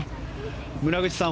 村口さん